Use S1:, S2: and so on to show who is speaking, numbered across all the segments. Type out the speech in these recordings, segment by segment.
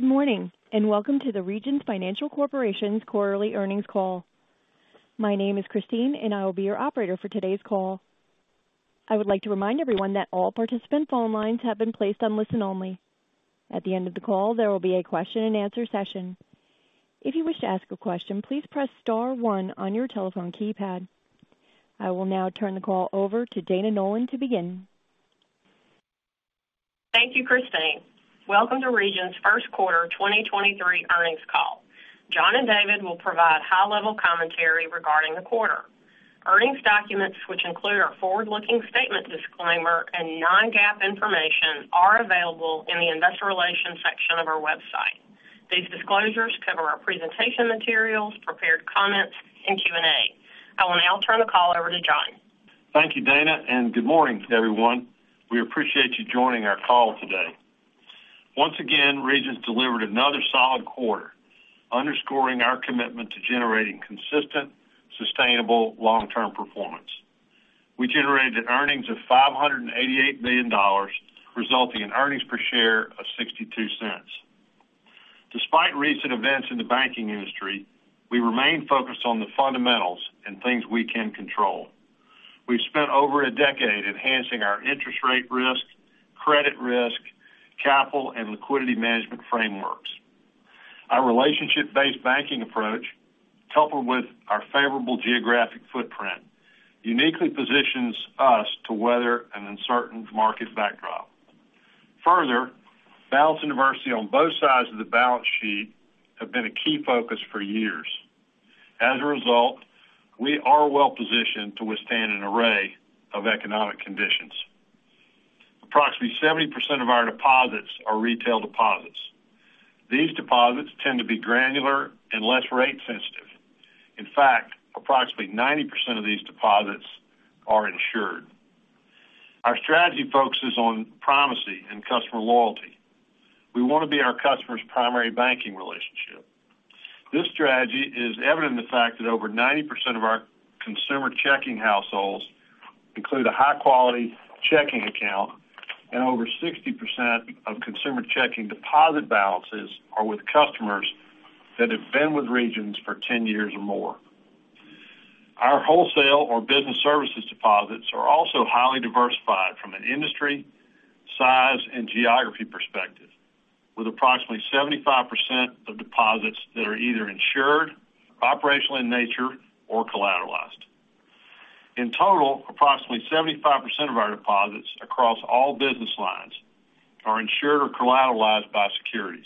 S1: Good morning. Welcome to the Regions Financial Corporation's quarterly earnings call. My name is Christine, and I will be your operator for today's call. I would like to remind everyone that all participant phone lines have been placed on listen only. At the end of the call, there will be a question-and-answer session. If you wish to ask a question, please press star one on your telephone keypad. I will now turn the call over to Dana Nolan to begin.
S2: Thank you, Christine. Welcome to Regions first quarter 2023 earnings call. John and David will provide high-level commentary regarding the quarter. Earnings documents, which include our forward-looking statement disclaimer and non-GAAP information, are available in the Investor Relations section of our website. These disclosures cover our presentation materials, prepared comments, and Q&A. I will now turn the call over to John.
S3: Thank you, Dana. Good morning to everyone. We appreciate you joining our call today. Once again, Regions delivered another solid quarter, underscoring our commitment to generating consistent, sustainable long-term performance. We generated earnings of $588 million, resulting in earnings per share of $0.62. Despite recent events in the banking industry, we remain focused on the fundamentals and things we can control. We've spent over a decade enhancing our interest rate risk, credit risk, capital, and liquidity management frameworks. Our relationship-based banking approach, coupled with our favorable geographic footprint, uniquely positions us to weather an uncertain market backdrop. Further, balance diversity on both sides of the balance sheet have been a key focus for years. As a result, we are well positioned to withstand an array of economic conditions. Approximately 70% of our deposits are retail deposits. These deposits tend to be granular and less rate sensitive. In fact, approximately 90% of these deposits are insured. Our strategy focuses on primacy and customer loyalty. We wanna be our customer's primary banking relationship. This strategy is evident in the fact that over 90% of our consumer checking households include a high-quality checking account and over 60% of consumer checking deposit balances are with customers that have been with Regions for 10 years or more. Our wholesale or business services deposits are also highly diversified from an industry, size, and geography perspective, with approximately 75% of deposits that are either insured, operational in nature, or collateralized. In total, approximately 75% of our deposits across all business lines are insured or collateralized by securities,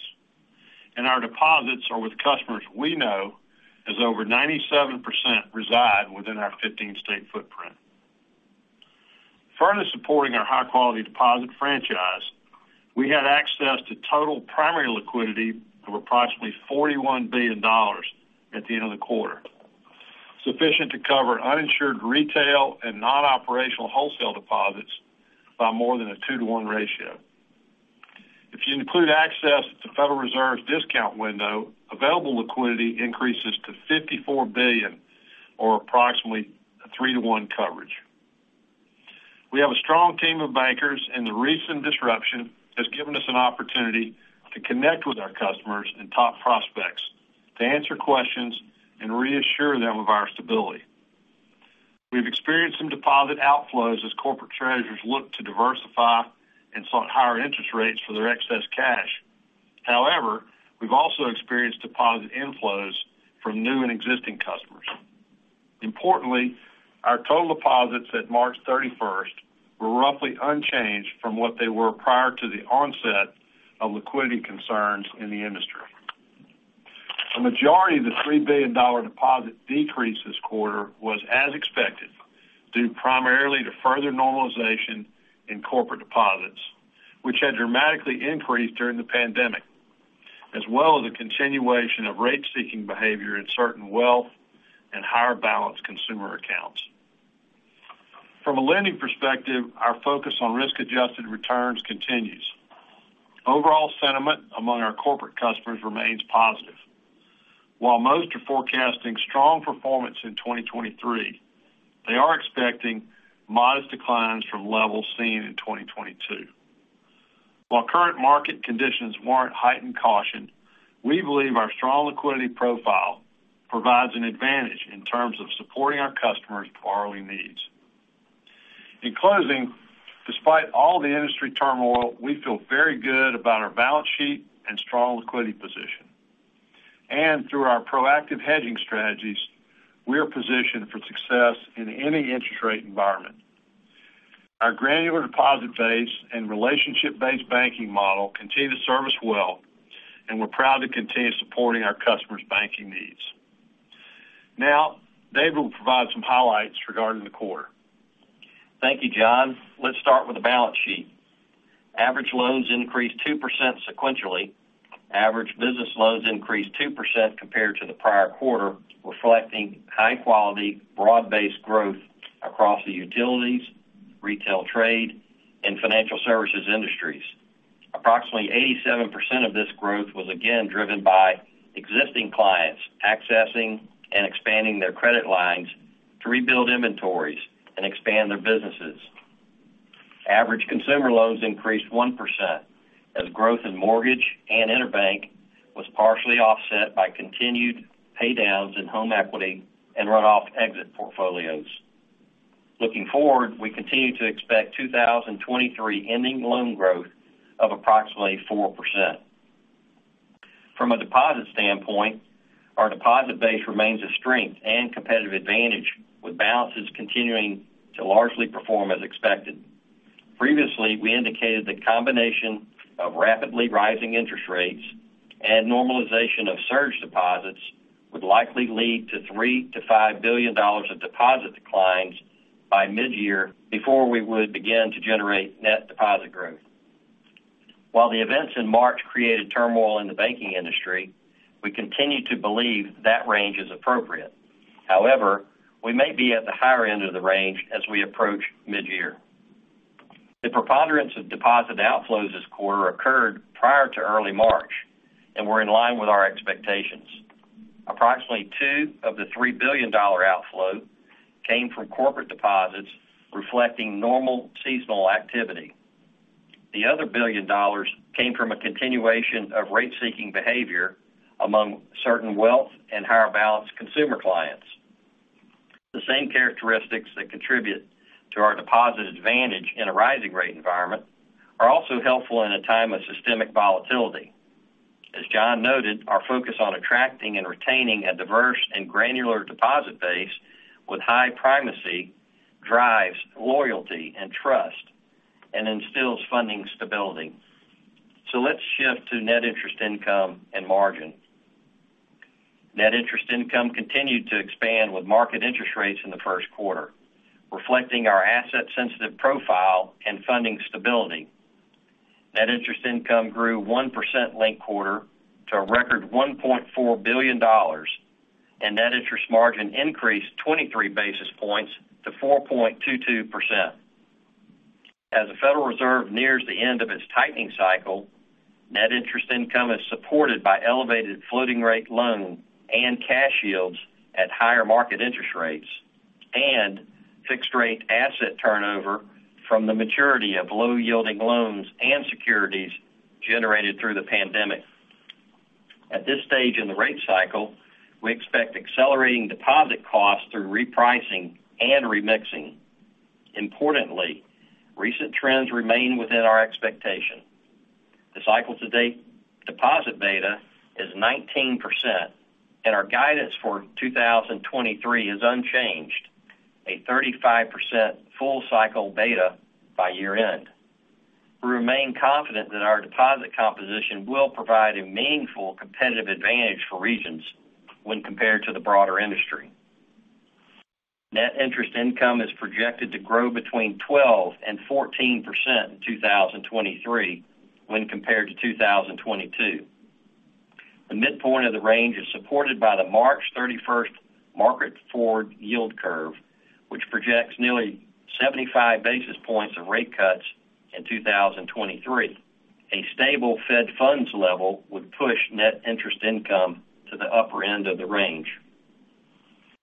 S3: and our deposits are with customers we know, as over 97% reside within our 15-state footprint. Further supporting our high-quality deposit franchise, we had access to total primary liquidity of approximately $41 billion at the end of the quarter, sufficient to cover uninsured retail and non-operational wholesale deposits by more than a 2-to-1 ratio. If you include access to Federal Reserve's discount window, available liquidity increases to $54 billion or approximately a 3-to-1 coverage. The recent disruption has given us an opportunity to connect with our customers and top prospects to answer questions and reassure them of our stability. We've experienced some deposit outflows as corporate treasurers look to diversify and sought higher interest rates for their excess cash. We've also experienced deposit inflows from new and existing customers. Importantly, our total deposits at March 31st were roughly unchanged from what they were prior to the onset of liquidity concerns in the industry. The majority of the $3 billion deposit decrease this quarter was as expected, due primarily to further normalization in corporate deposits, which had dramatically increased during the pandemic, as well as a continuation of rate-seeking behavior in certain wealth and higher balance consumer accounts. From a lending perspective, our focus on risk-adjusted returns continues. Overall sentiment among our corporate customers remains positive. While most are forecasting strong performance in 2023, they are expecting modest declines from levels seen in 2022. While current market conditions warrant heightened caution, we believe our strong liquidity profile provides an advantage in terms of supporting our customers' borrowing needs. In closing, despite all the industry turmoil, we feel very good about our balance sheet and strong liquidity position. Through our proactive hedging strategies, we are positioned for success in any interest rate environment. Our granular deposit base and relationship-based banking model continue to service well. We're proud to continue supporting our customers' banking needs. Now, David will provide some highlights regarding the quarter.
S4: Thank you, John. Let's start with the balance sheet. Average loans increased 2% sequentially. Average business loans increased 2% compared to the prior quarter, reflecting high quality, broad-based growth across the utilities, retail trade, and financial services industries. Approximately 87% of this growth was again driven by existing clients accessing and expanding their credit lines to rebuild inventories and expand their businesses. Average consumer loans increased 1% as growth in mortgage and EnerBank was partially offset by continued pay downs in home equity and run off exit portfolios. Looking forward, we continue to expect 2023 ending loan growth of approximately 4%. From a deposit standpoint, our deposit base remains a strength and competitive advantage, with balances continuing to largely perform as expected. Previously, we indicated the combination of rapidly rising interest rates and normalization of surge deposits would likely lead to $3 billion-$5 billion of deposit declines by mid-year before we would begin to generate net deposit growth. While the events in March created turmoil in the banking industry, we continue to believe that range is appropriate. However, we may be at the higher end of the range as we approach mid-year. The preponderance of deposit outflows this quarter occurred prior to early March and were in line with our expectations. Approximately $2 billion of the $3 billion outflow came from corporate deposits reflecting normal seasonal activity. The other $1 billion came from a continuation of rate-seeking behavior among certain wealth and higher balance consumer clients. The same characteristics that contribute to our deposit advantage in a rising rate environment are also helpful in a time of systemic volatility. As John noted, our focus on attracting and retaining a diverse and granular deposit base with high primacy drives loyalty and trust and instills funding stability. Let's shift to net interest income and margin. Net interest income continued to expand with market interest rates in the first quarter, reflecting our asset-sensitive profile and funding stability. Net interest income grew 1% linked quarter to a record $1.4 billion, and net interest margin increased 23 basis points to 4.22%. As the Federal Reserve nears the end of its tightening cycle, net interest income is supported by elevated floating rate loan and cash yields at higher market interest rates and fixed rate asset turnover from the maturity of low-yielding loans and securities generated through the pandemic. At this stage in the rate cycle, we expect accelerating deposit costs through repricing and remixing. Importantly, recent trends remain within our expectation. The cycle to date deposit beta is 19% and our guidance for 2023 is unchanged, a 35% full cycle beta by year-end. We remain confident that our deposit composition will provide a meaningful competitive advantage for Regions when compared to the broader industry. Net interest income is projected to grow between 12%-14% in 2023 when compared to 2022. The midpoint of the range is supported by the March 31st market forward yield curve, which projects nearly 75 basis points of rate cuts in 2023. A stable Fed funds level would push net interest income to the upper end of the range.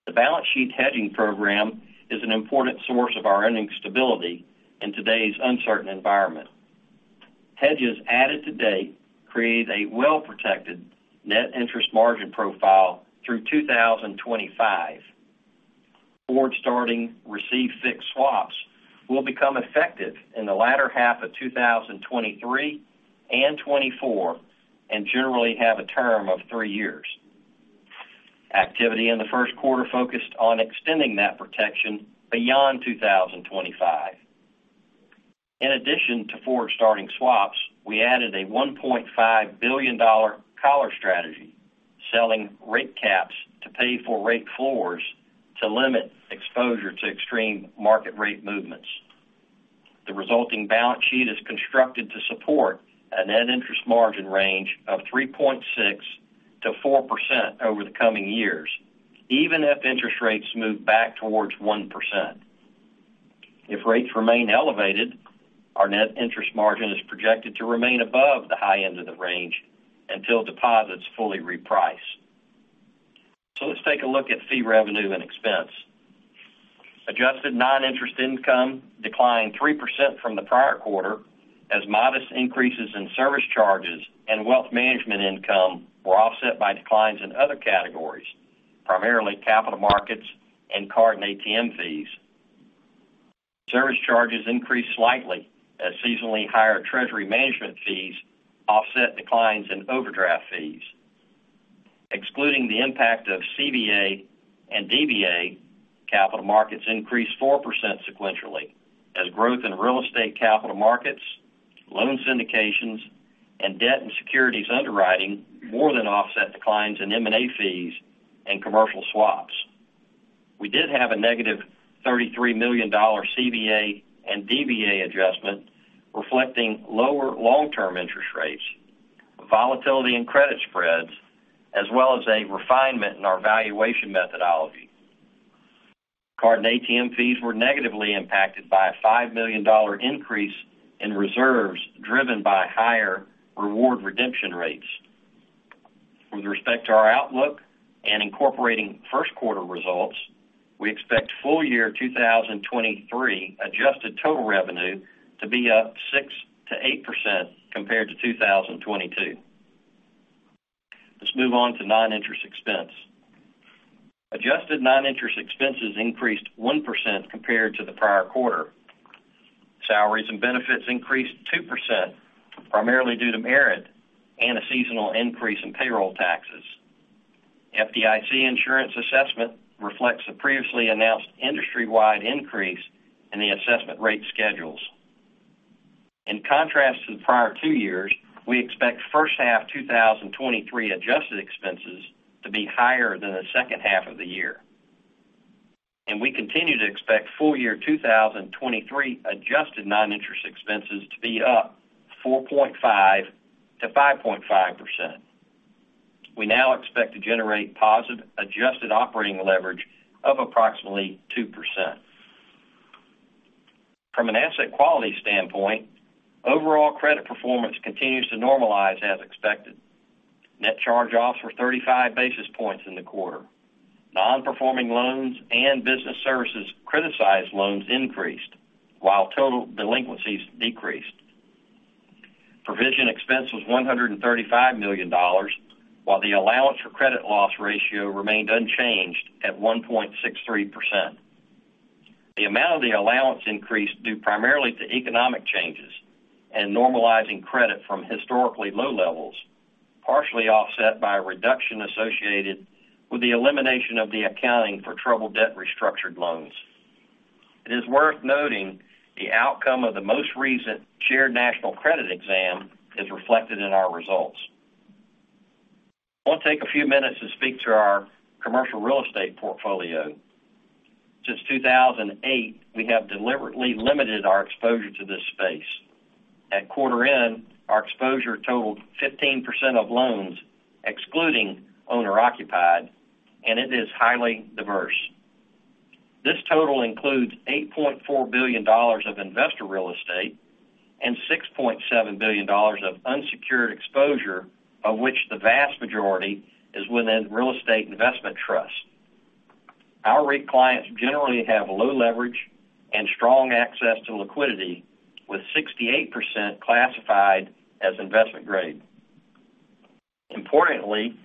S4: The balance sheet hedging program is an important source of our earnings stability in today's uncertain environment. Hedges added to date create a well-protected net interest margin profile through 2025. Forward-starting receive-fix swaps will become effective in the latter half of 2023 and 2024 and generally have a term of three years. Activity in the first quarter focused on extending that protection beyond 2025. We added a $1.5 billion collar strategy, selling rate caps to pay for rate floors to limit exposure to extreme market rate movements. The resulting balance sheet is constructed to support a net interest margin range of 3.6%-4% over the coming years, even if interest rates move back towards 1%. If rates remain elevated, our net interest margin is projected to remain above the high end of the range until deposits fully reprice. Let's take a look at fee revenue and expense. Adjusted non-interest income declined 3% from the prior quarter as modest increases in service charges and Wealth Management income were offset by declines in other categories, primarily capital markets and card and ATM fees. Service charges increased slightly as seasonally higher treasury management fees offset declines in overdraft fees. Excluding the impact of CVA and DVA, capital markets increased 4% sequentially as growth in real estate capital markets, loan syndications, and debt and securities underwriting more than offset declines in M&A fees and commercial swaps. We did have a -$33 million CVA and DVA adjustment reflecting lower long-term interest rates, volatility in credit spreads, as well as a refinement in our valuation methodology. Card and ATM fees were negatively impacted by a $5 million increase in reserves driven by higher reward redemption rates. With respect to our outlook and incorporating first quarter results, we expect full year 2023 adjusted total revenue to be up 6%-8% compared to 2022. Let's move on to non-interest expense. Adjusted non-interest expenses increased 1% compared to the prior quarter. Salaries and benefits increased 2%, primarily due to merit and a seasonal increase in payroll taxes. FDIC insurance assessment reflects the previously announced industry-wide increase in the assessment rate schedules. In contrast to the prior two years, we expect first half 2023 adjusted expenses to be higher than the second half of the year. We continue to expect full year 2023 adjusted non-interest expenses to be up 4.5%-5.5%. We now expect to generate positive adjusted operating leverage of approximately 2%. From an asset quality standpoint, overall credit performance continues to normalize as expected. Net charge-offs were 35 basis points in the quarter. Non-performing loans and business services criticized loans increased while total delinquencies decreased. Provision expense was $135 million, while the allowance for credit loss ratio remained unchanged at 1.63%. The amount of the allowance increased due primarily to economic changes and normalizing credit from historically low levels, partially offset by a reduction associated with the elimination of the accounting for troubled debt restructured loans. It is worth noting the outcome of the most recent Shared National Credit exam is reflected in our results. I want to take a few minutes to speak to our commercial real estate portfolio. Since 2008, we have deliberately limited our exposure to this space. At quarter end, our exposure totaled 15% of loans excluding owner occupied, and it is highly diverse. This total includes $8.4 billion of investor real estate and $6.7 billion of unsecured exposure, of which the vast majority is within Real Estate Investment Trust. Our REIT clients generally have low leverage and strong access to liquidity, with 68% classified as investment grade. Importantly,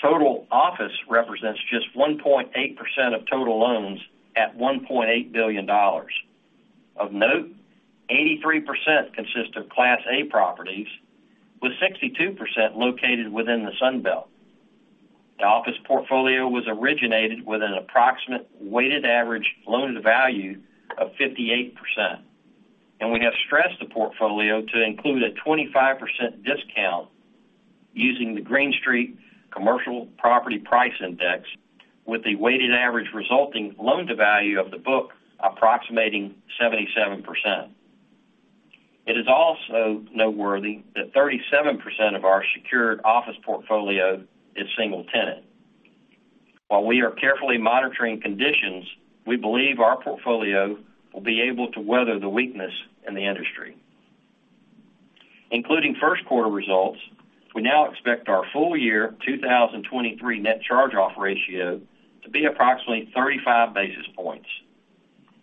S4: total office represents just 1.8% of total loans at $1.8 billion. Of note, 83% consist of Class A properties, with 62% located within the Sun Belt. The office portfolio was originated with an approximate weighted average loan to value of 58%, and we have stressed the portfolio to include a 25% discount using the Green Street Commercial Property Price Index, with the weighted average resulting loan to value of the book approximating 77%. It is also noteworthy that 37% of our secured office portfolio is single tenant. While we are carefully monitoring conditions, we believe our portfolio will be able to weather the weakness in the industry. Including first quarter results, we now expect our full year 2023 net charge-off ratio to be approximately 35 basis points.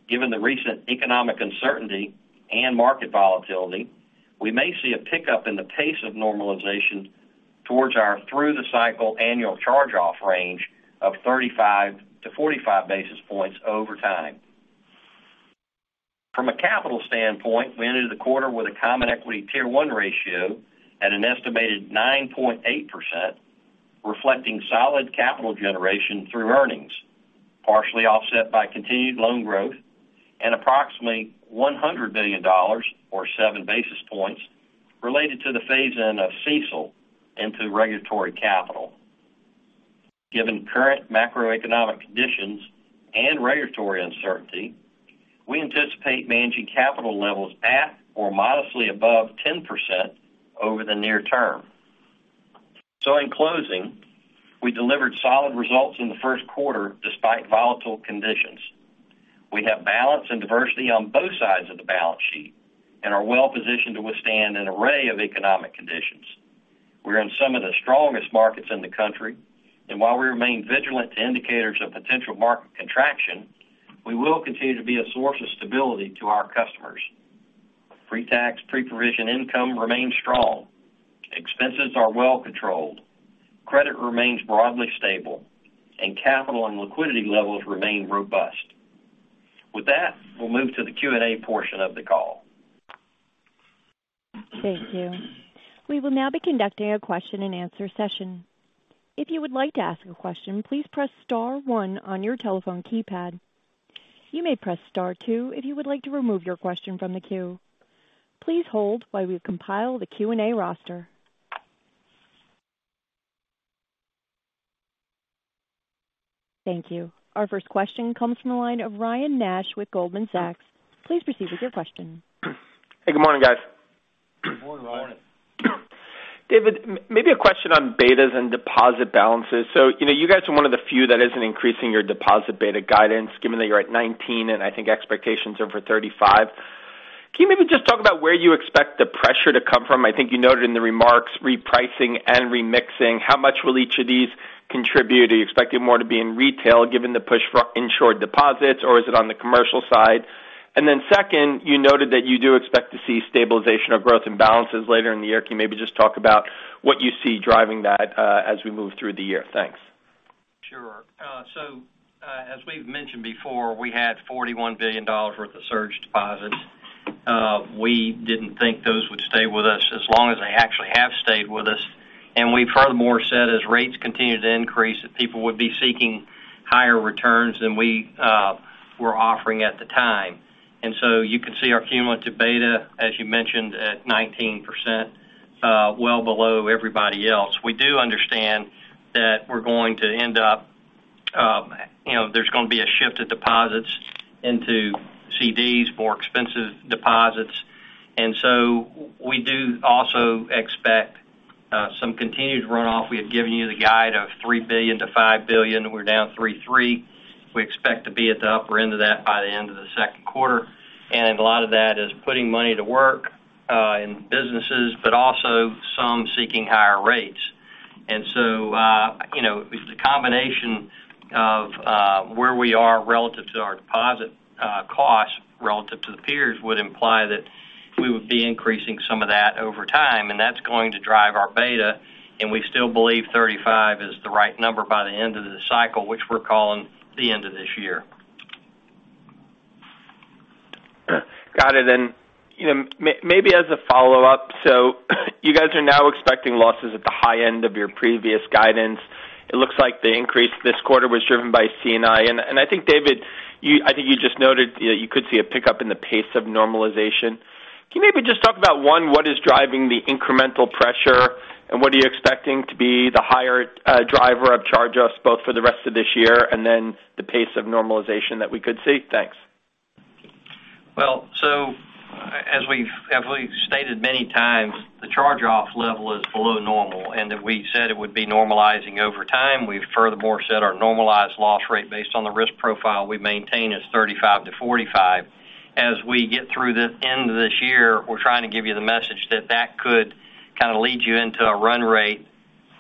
S4: Given the recent economic uncertainty and market volatility, we may see a pickup in the pace of normalization towards our through the cycle annual charge-off range of 35-45 basis points over time. From a capital standpoint, we ended the quarter with a Common Equity Tier 1 ratio at an estimated 9.8%, reflecting solid capital generation through earnings, partially offset by continued loan growth and approximately $100 billion or 7 basis points related to the phase-in of CECL into regulatory capital. Given current macroeconomic conditions and regulatory uncertainty, we anticipate managing capital levels at or modestly above 10% over the near term. In closing, we delivered solid results in the first quarter despite volatile conditions. We have balance and diversity on both sides of the balance sheet and are well positioned to withstand an array of economic conditions. We're in some of the strongest markets in the country, and while we remain vigilant to indicators of potential market contraction, we will continue to be a source of stability to our customers. Pre-tax, pre-provision income remains strong. Expenses are well controlled. Credit remains broadly stable. Capital and liquidity levels remain robust. With that, we'll move to the Q&A portion of the call.
S1: Thank you. We will now be conducting a question-and-answer session. If you would like to ask a question, please press star one on your telephone keypad. You may press star two if you would like to remove your question from the queue. Please hold while we compile the Q&A roster. Thank you. Our first question comes from the line of Ryan Nash with Goldman Sachs. Please proceed with your question.
S5: Hey, good morning, guys.
S4: Good morning, Ryan.
S5: David, maybe a question on betas and deposit balances. You know, you guys are one of the few that isn't increasing your deposit beta guidance, given that you're at 19% and I think expectations are for 35%. Can you maybe just talk about where you expect the pressure to come from? I think you noted in the remarks repricing and remixing. How much will each of these contribute? Are you expecting more to be in retail given the push for insured deposits, or is it on the commercial side? Second, you noted that you do expect to see stabilization of growth and balances later in the year. Can you maybe just talk about what you see driving that as we move through the year? Thanks.
S4: Sure. As we've mentioned before, we had $41 billion worth of surge deposits. We didn't think those would stay with us as long as they actually have stayed with us. We've furthermore said, as rates continue to increase, that people would be seeking higher returns than we were offering at the time. You can see our cumulative beta, as you mentioned, at 19%, well below everybody else. We do understand that, you know, there's gonna be a shift of deposits into CDs, more expensive deposits. We do also expect, some continued runoff. We have given you the guide of $3 billion-$5 billion. We're down $3.3 billion. We expect to be at the upper end of that by the end of the second quarter. A lot of that is putting money to work in businesses, but also some seeking higher rates. You know, it's a combination of where we are relative to our deposit costs relative to the peers would imply that we would be increasing some of that over time, and that's going to drive our beta. We still believe 35% is the right number by the end of the cycle, which we're calling the end of this year.
S5: Got it. You know, maybe as a follow-up, so you guys are now expecting losses at the high end of your previous guidance. It looks like the increase this quarter was driven by C&I. I think, David, you I think you just noted you could see a pickup in the pace of normalization. Can you maybe just talk about, one, what is driving the incremental pressure, and what are you expecting to be the higher driver of charge-offs, both for the rest of this year and then the pace of normalization that we could see? Thanks.
S4: Well, as we've stated many times, the charge-offs level is below normal, and that we said it would be normalizing over time. We've furthermore said our normalized loss rate based on the risk profile we maintain is 35 basis points-45 basis points. As we get through the end of this year, we're trying to give you the message that that could kinda lead you into a run rate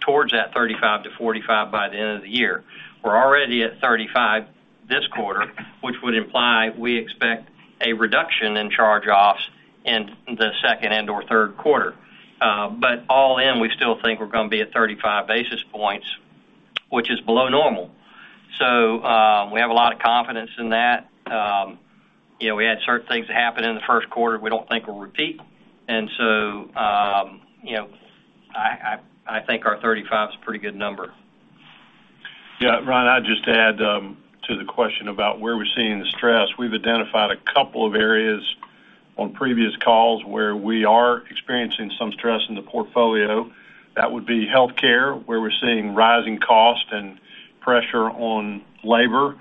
S4: towards that 35 basis points-45 basis points by the end of the year. We're already at 35 basis points this quarter, which would imply we expect a reduction in charge-offs in the second and/or third quarter. All in, we still think we're gonna be at 35 basis points, which is below normal. We have a lot of confidence in that. You know, we had certain things happen in the first quarter we don't think will repeat. You know, I think our 35 basis points is a pretty good number.
S3: Yeah, Ryan, I'd just add to the question about where we're seeing the stress. We've identified a couple of areas on previous calls where we are experiencing some stress in the portfolio. That would be healthcare, where we're seeing rising costs and pressure on labor.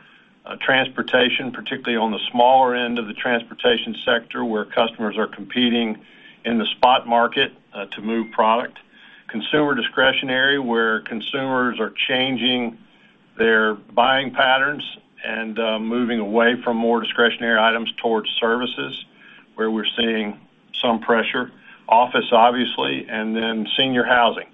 S3: Transportation, particularly on the smaller end of the transportation sector, where customers are competing in the spot market to move product. Consumer discretionary, where consumers are changing their buying patterns and moving away from more discretionary items towards services, where we're seeing some pressure. Office, obviously, and then senior housing,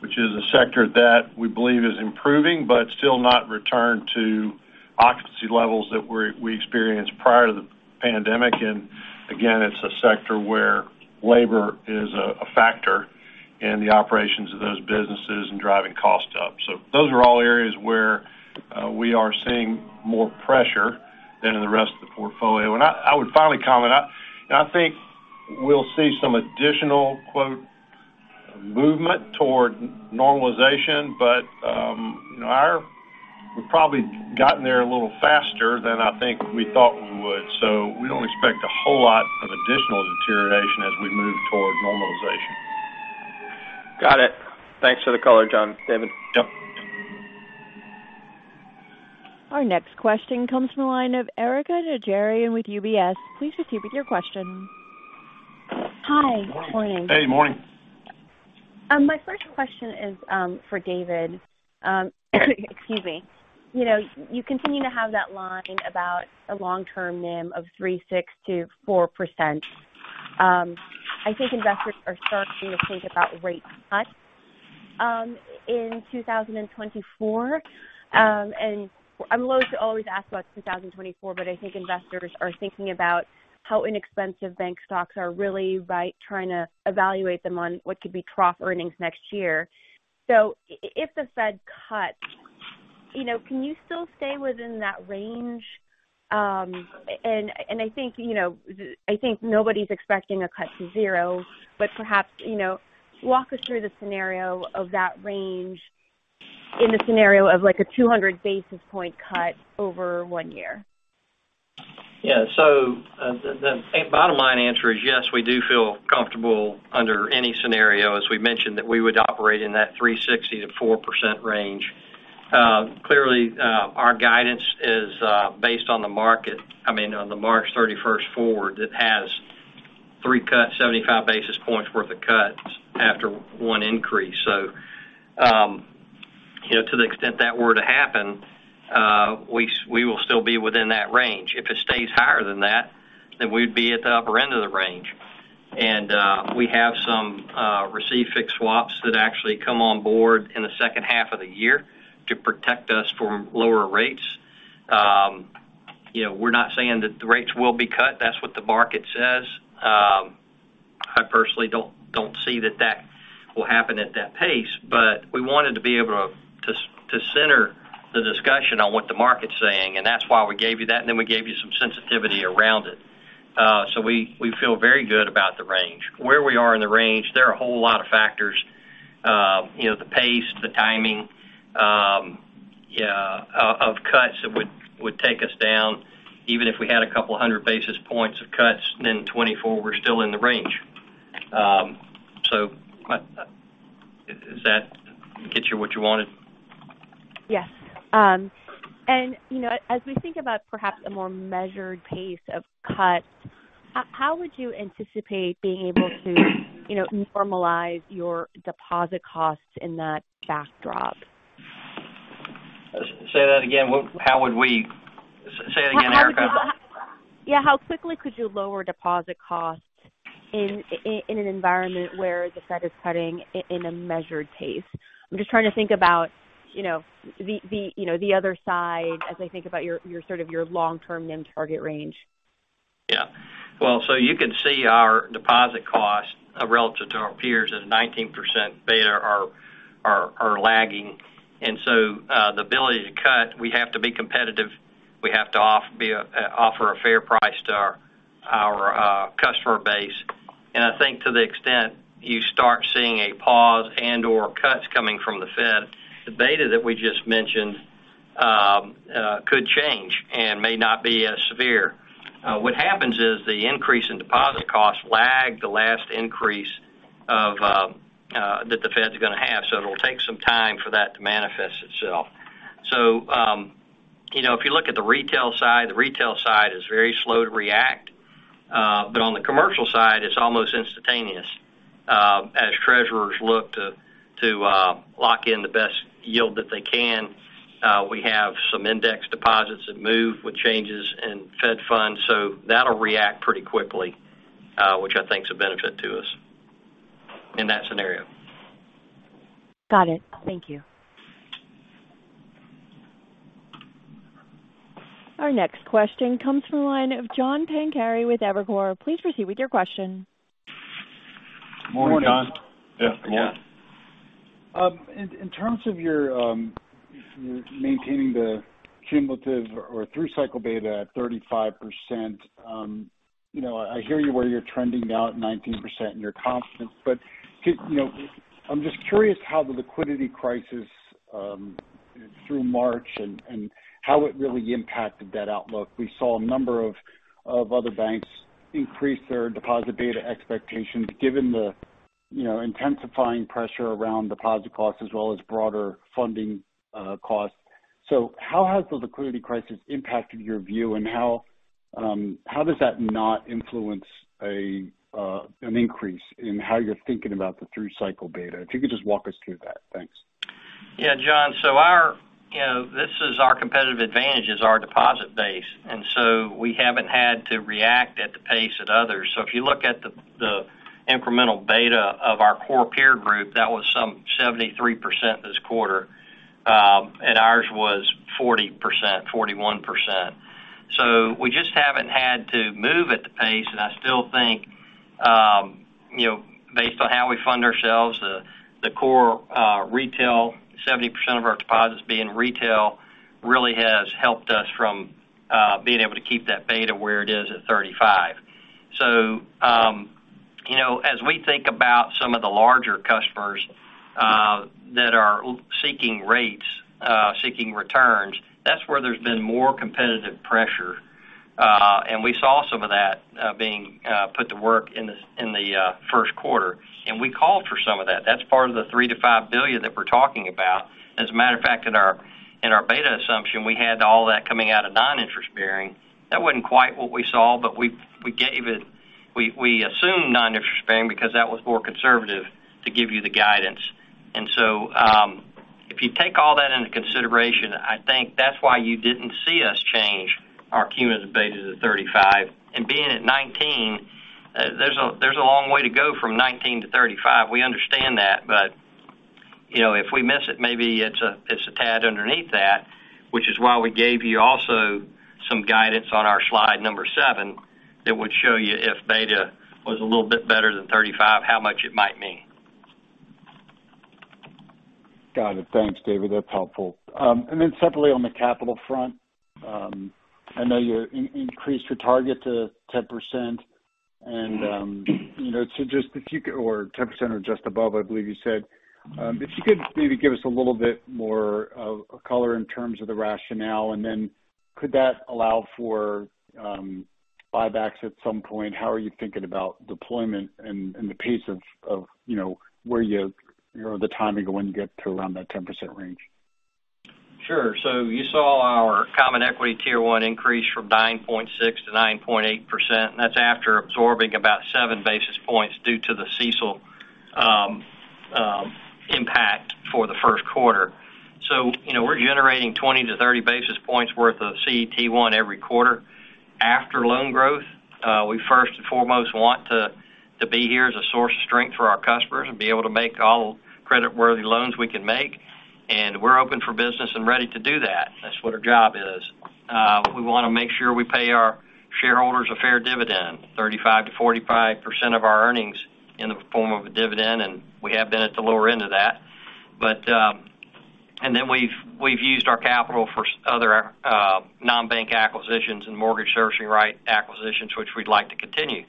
S3: which is a sector that we believe is improving, but still not returned to occupancy levels that we experienced prior to the pandemic. Again, it's a sector where labor is a factor in the operations of those businesses and driving costs up. Those are all areas where we are seeing more pressure than in the rest of the portfolio. I would finally comment, and I think we'll see some additional, quote, movement toward normalization, you know, We've probably gotten there a little faster than I think we thought we would. We don't expect a whole lot of additional deterioration as we move toward normalization.
S5: Got it. Thanks for the color, John, David.
S3: Yep.
S1: Our next question comes from the line of Erika Najarian with UBS. Please proceed with your question.
S6: Hi. Good morning.
S3: Hey, morning.
S6: My first question is for David. Excuse me. You know, you continue to have that line about a long-term NIM of 3.6%-4%. I think investors are starting to think about rate cuts in 2024. I'm loathe to always ask about 2024, but I think investors are thinking about how inexpensive bank stocks are really by trying to evaluate them on what could be trough earnings next year. If the Fed cuts, you know, can you still stay within that range? I think, you know, I think nobody's expecting a cut to zero, but perhaps, you know, walk us through the scenario of that range in the scenario of, like, a 200 basis point cut over one year.
S4: Yeah. The bottom line answer is yes, we do feel comfortable under any scenario, as we mentioned, that we would operate in that 3.60%-4% range. Clearly, our guidance is based on the market, I mean, on the March 31st forward, that has three cut, 75 basis points worth of cuts after one increase. You know, to the extent that were to happen, we will still be within that range. If it stays higher than that, then we'd be at the upper end of the range. We have some receive-fix swaps that actually come on board in the second half of the year to protect us from lower rates. You know, we're not saying that the rates will be cut, that's what the market says. I personally don't see that that will happen at that pace, we wanted to be able to center the discussion on what the market's saying, and that's why we gave you that, and then we gave you some sensitivity around it. We feel very good about the range. Where we are in the range, there are a whole lot of factors, you know, the pace, the timing, of cuts that would take us down even if we had a couple of 100 basis points of cuts than 2024, we're still in the range. Does that get you what you wanted?
S6: Yes. you know, as we think about perhaps a more measured pace of cuts, how would you anticipate being able to, you know, normalize your deposit costs in that backdrop?
S4: Say that again. Say it again, Erika.
S6: Yeah, how quickly could you lower deposit costs in an environment where the Fed is cutting in a measured pace? I'm just trying to think about, you know, the, you know, the other side as I think about your, sort of, your long-term NIM target range.
S4: Well, you can see our deposit costs relative to our peers is 19% beta are lagging. The ability to cut, we have to be competitive, we have to offer a fair price to our customer base. I think to the extent you start seeing a pause and/or cuts coming from the Fed, the beta that we just mentioned could change and may not be as severe. What happens is the increase in deposit costs lag the last increase of that the Fed is gonna have, so it'll take some time for that to manifest itself. You know, if you look at the retail side, the retail side is very slow to react. On the commercial side, it's almost instantaneous, as treasurers look to lock in the best yield that they can. We have some index deposits that move with changes in Fed funds, that'll react pretty quickly, which I think is a benefit to us in that scenario.
S6: Got it. Thank you.
S1: Our next question comes from the line of John Pancari with Evercore. Please proceed with your question.
S3: Morning, John.
S7: Morning.
S3: Yeah.
S7: In terms of your maintaining the cumulative or through cycle beta at 35%, you know, I hear you where you're trending now at 19% and you're confident. You know, I'm just curious how the liquidity crisis through March and how it really impacted that outlook. We saw a number of other banks increase their deposit beta expectations given the, you know, intensifying pressure around deposit costs as well as broader funding costs. How has the liquidity crisis impacted your view, and how does that not influence an increase in how you're thinking about the through cycle beta? If you could just walk us through that. Thanks.
S4: Yeah, John. Our, you know, this is our competitive advantage is our deposit base. We haven't had to react at the pace of others. If you look at the incremental beta of our core peer group, that was some 73% this quarter, and ours was 40%, 41%. We just haven't had to move at the pace, and I still think, you know, based on how we fund ourselves, the core retail, 70% of our deposits being retail, really has helped us from being able to keep that beta where it is at 35%. You know, as we think about some of the larger customers, that are seeking rates, seeking returns, that's where there's been more competitive pressure. We saw some of that being put to work in the first quarter, and we called for some of that. That's part of the $3 billion-$5 billion that we're talking about. As a matter of fact, in our beta assumption, we had all that coming out of non-interest bearing. That wasn't quite what we saw, but we assumed non-interest bearing because that was more conservative to give you the guidance. If you take all that into consideration, I think that's why you didn't see us change our cumulative beta to 35%. Being at 19%, there's a long way to go from 19%-35%. We understand that, you know, if we miss it, maybe it's a, it's a tad underneath that, which is why we gave you also some guidance on our slide number seven that would show you if beta was a little bit better than 35%, how much it might mean.
S7: Got it. Thanks, David. That's helpful. Then separately on the capital front, I know you increased your target to 10% and, you know, so just if you could or 10% or just above, I believe you said. If you could maybe give us a little bit more of color in terms of the rationale, and then could that allow for, buybacks at some point? How are you thinking about deployment and the pace of, you know, where you know, the timing of when you get to around that 10% range?
S4: Sure. You saw our Common Equity Tier 1 increase from 9.6%-9.8%, and that's after absorbing about 7 basis points due to the CECL impact for the first quarter. You know, we're generating 20-30 basis points worth of CET1 every quarter after loan growth. We first and foremost want to be here as a source of strength for our customers and be able to make all credit-worthy loans we can make, and we're open for business and ready to do that. That's what our job is. We wanna make sure we pay our shareholders a fair dividend, 35%-45% of our earnings in the form of a dividend, and we have been at the lower end of that. Then we've used our capital for other non-bank acquisitions and mortgage servicing right acquisitions, which we'd like to continue.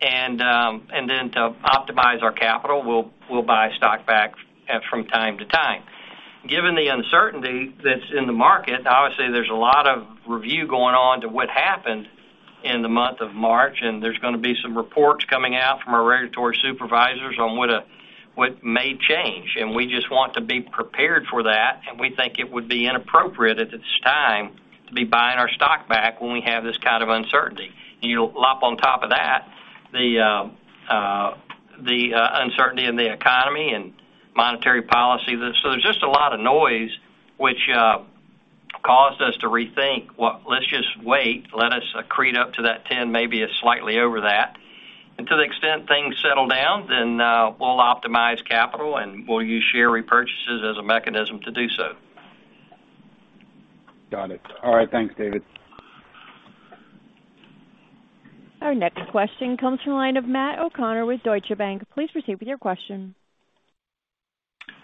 S4: Then to optimize our capital, we'll buy stock back from time to time. Given the uncertainty that's in the market, obviously, there's a lot of review going on to what happened in the month of March, and there's gonna be some reports coming out from our regulatory supervisors on what may change. We just want to be prepared for that, and we think it would be inappropriate at this time to be buying our stock back when we have this kind of uncertainty. Lop on top of that, the uncertainty in the economy and monetary policy. There's just a lot of noise which caused us to rethink, well, let's just wait, let us accrete up to that 10%, maybe it's slightly over that. To the extent things settle down, then, we'll optimize capital, and we'll use share repurchases as a mechanism to do so.
S7: Got it. All right, thanks, David.
S1: Our next question comes from the line of Matt O'Connor with Deutsche Bank. Please proceed with your question.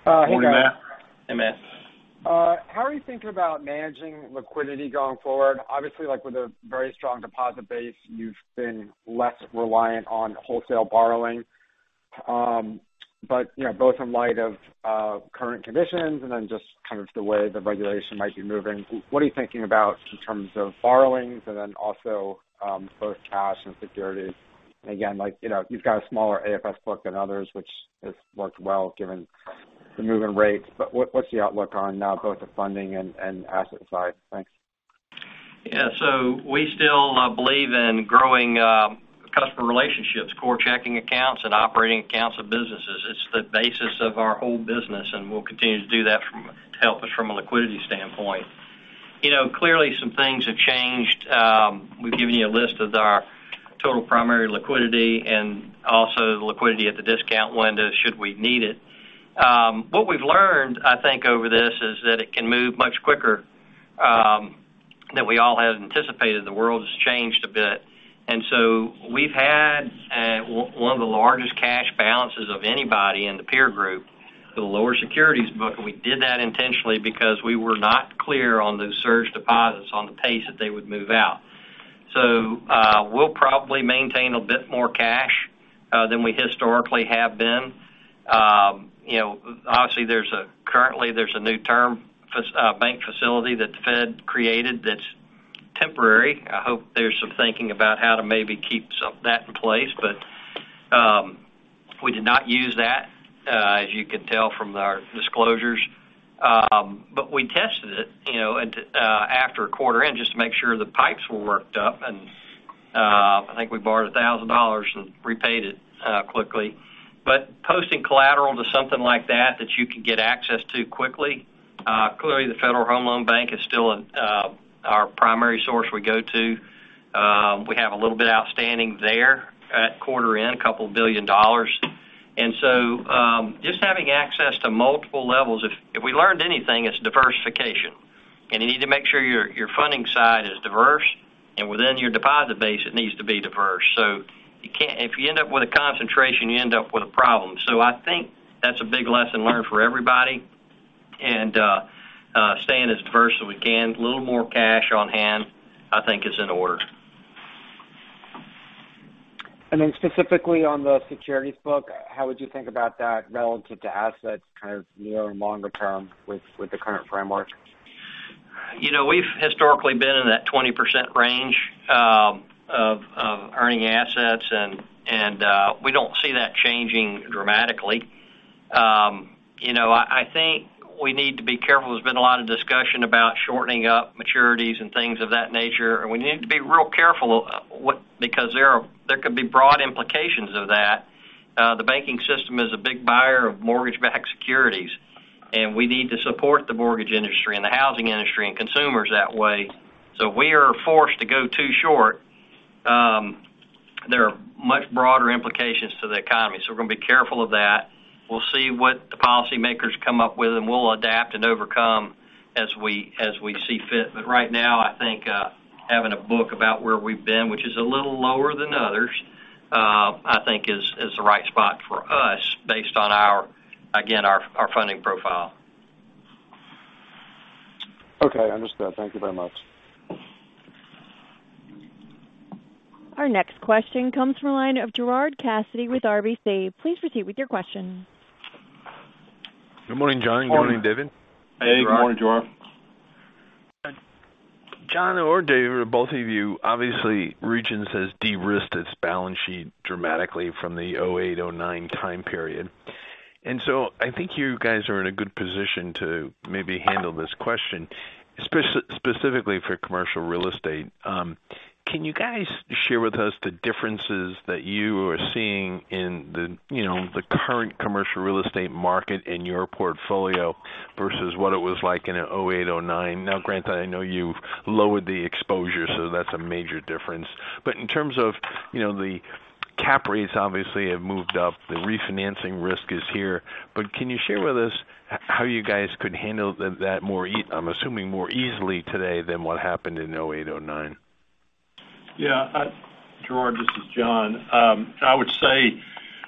S8: Hey, guys.
S3: Morning, Matt.
S4: Hey, Matt.
S8: How are you thinking about managing liquidity going forward? Obviously, like, with a very strong deposit base, you've been less reliant on wholesale borrowing. You know, both in light of current conditions and then just kind of the way the regulation might be moving, what are you thinking about in terms of borrowings and then also, both cash and securities? Again, like, you know, you've got a smaller AFS book than others, which has worked well given the movement rates. What's the outlook on both the funding and asset side? Thanks.
S4: We still believe in growing customer relationships, core checking accounts and operating accounts of businesses. It's the basis of our whole business. We'll continue to do that to help us from a liquidity standpoint. You know, clearly some things have changed. We've given you a list of our total primary liquidity and also the liquidity at the discount window should we need it. What we've learned, I think, over this is that it can move much quicker than we all had anticipated. The world has changed a bit. We've had one of the largest cash balances of anybody in the peer group with a lower securities book. We did that intentionally because we were not clear on the surge deposits on the pace that they would move out. We'll probably maintain a bit more cash than we historically have been. You know, obviously, currently, there's a new term bank facility that the Fed created that's temporary. I hope there's some thinking about how to maybe keep some of that in place. We did not use that as you can tell from our disclosures. We tested it, you know, at after a quarter end just to make sure the pipes were worked up. I think we borrowed $1,000 and repaid it quickly. Posting collateral to something like that you can get access to quickly, clearly the Federal Home Loan Bank is still our primary source we go to. We have a little bit outstanding there at quarter end, $2 billion. Just having access to multiple levels, if we learned anything, it's diversification. You need to make sure your funding side is diverse, and within your deposit base, it needs to be diverse. If you end up with a concentration, you end up with a problem. I think that's a big lesson learned for everybody. Staying as diverse as we can, a little more cash on hand, I think is in order.
S8: Specifically on the securities book, how would you think about that relative to assets kind of near and longer term with the current framework?
S4: You know, we've historically been in that 20% range of earning assets and we don't see that changing dramatically. You know, I think we need to be careful. There's been a lot of discussion about shortening up maturities and things of that nature, and we need to be real careful because there could be broad implications of that. The banking system is a big buyer of mortgage-backed securities, and we need to support the mortgage industry and the housing industry and consumers that way. If we are forced to go too short, there are much broader implications to the economy. We're gonna be careful of that. We'll see what the policymakers come up with, and we'll adapt and overcome as we see fit. Right now, I think, having a book about where we've been, which is a little lower than others, I think is the right spot for us based on our, again, our funding profile.
S8: Okay, understood. Thank you very much.
S1: Our next question comes from a line of Gerard Cassidy with RBC. Please proceed with your question.
S9: Good morning, John. Good morning, David.
S3: Hey. Good morning, Gerard.
S9: John or David, or both of you, obviously, Regions has de-risked its balance sheet dramatically from the 2008, 2009 time period. I think you guys are in a good position to maybe handle this question, specifically for commercial real estate. Can you guys share with us the differences that you are seeing in the, you know, the current commercial real estate market in your portfolio versus what it was like in 2008, 2009? Granted, I know you've lowered the exposure, so that's a major difference. In terms of, you know, the cap rates obviously have moved up, the refinancing risk is here, but can you share with us how you guys could handle that more I'm assuming more easily today than what happened in 2008, 2009?
S3: Yeah, Gerard, this is John. I would say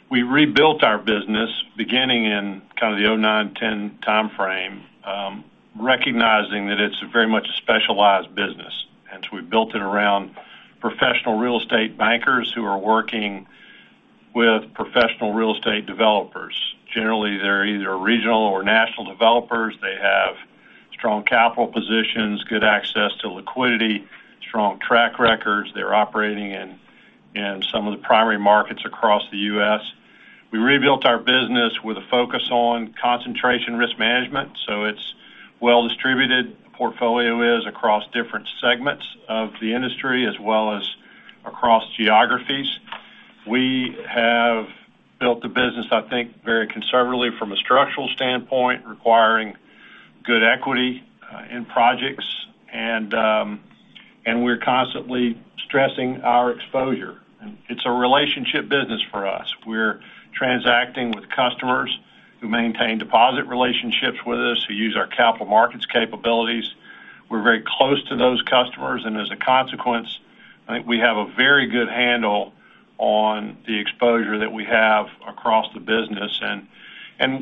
S3: we rebuilt our business beginning in kind of the 2009, 2010 timeframe, recognizing that it's very much a specialized business. We built it around professional real estate bankers who are working with professional real estate developers. Generally, they're either regional or national developers. They have strong capital positions, good access to liquidity, strong track records. They're operating in some of the primary markets across the U.S. We rebuilt our business with a focus on concentration risk management, so it's well-distributed, portfolio is across different segments of the industry as well as across geographies. We have built the business, I think, very conservatively from a structural standpoint, requiring good equity in projects, and we're constantly stressing our exposure. It's a relationship business for us. We're transacting with customers who maintain deposit relationships with us, who use our capital markets capabilities. We're very close to those customers, and as a consequence, I think we have a very good handle on the exposure that we have across the business.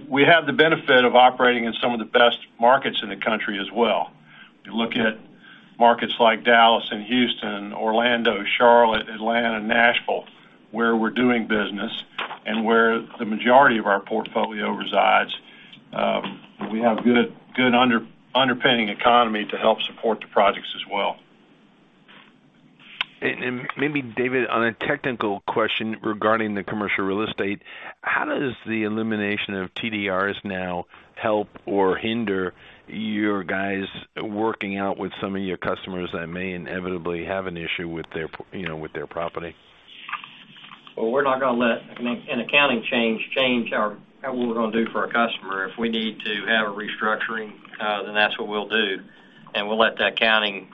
S3: We have the benefit of operating in some of the best markets in the country as well. You look at markets like Dallas and Houston, Orlando, Charlotte, Atlanta, Nashville, where we're doing business and where the majority of our portfolio resides. We have good underpinning economy to help support the projects as well.
S9: Maybe David, on a technical question regarding the commercial real estate, how does the elimination of TDRs now help or hinder you guys working out with some of your customers that may inevitably have an issue with their, you know, with their property?
S4: We're not gonna let an accounting change what we're gonna do for our customer. If we need to have a restructuring, then that's what we'll do, and we'll let that accounting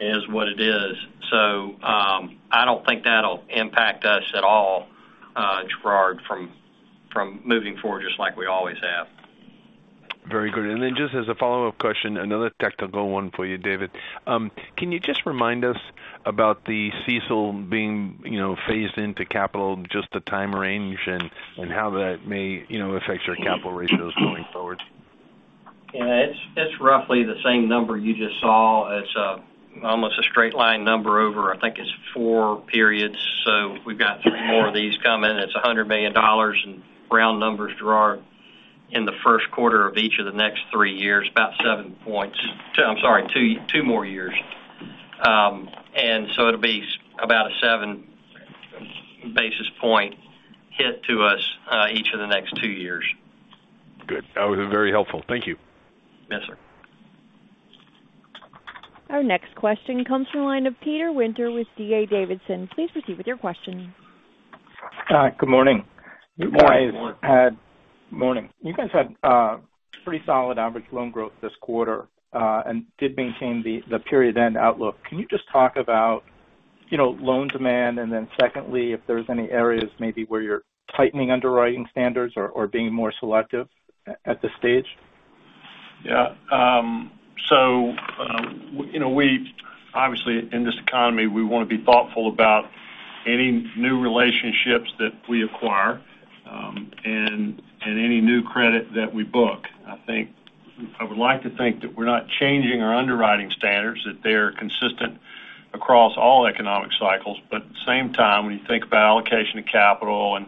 S4: as what it is. I don't think that'll impact us at all, Gerard, from moving forward just like we always have.
S9: Very good. Just as a follow-up question, another technical one for you, David. Can you just remind us about the CECL being, you know, phased into capital, just the time range and how that may, you know, affect your capital ratios going forward?
S4: Yeah, it's roughly the same number you just saw. It's almost a straight line number over, I think it's four periods. We've got three more of these coming. It's $100 million in round numbers, Gerard, in the first quarter of each of the next three years, about 7 points. I'm sorry, two more years. It'll be about a 7 basis point hit to us each of the next two years.
S9: Good. That was very helpful. Thank you.
S4: Yes, sir.
S1: Our next question comes from the line of Peter Winter with D.A. Davidson. Please proceed with your question.
S10: Good morning.
S3: Good morning.
S10: Morning. You guys had pretty solid average loan growth this quarter, and did maintain the period-end outlook. Can you just talk about, you know, loan demand, and then secondly, if there's any areas maybe where you're tightening underwriting standards or being more selective at this stage?
S3: Yeah. you know, we obviously, in this economy, we wanna be thoughtful about any new relationships that we acquire, and any new credit that we book. I would like to think that we're not changing our underwriting standards, that they are consistent across all economic cycles. At the same time, when you think about allocation of capital and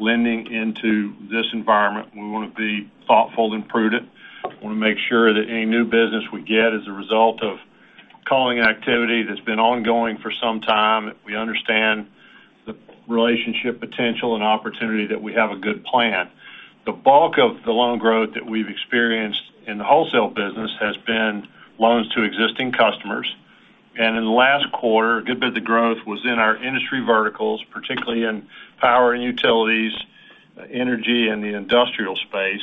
S3: lending into this environment, we wanna be thoughtful and prudent. We wanna make sure that any new business we get as a result of calling activity that's been ongoing for some time, we understand the relationship potential and opportunity that we have a good plan. The bulk of the loan growth that we've experienced in the wholesale business has been loans to existing customers. In the last quarter, a good bit of the growth was in our industry verticals, particularly in power and utilities, energy and the industrial space.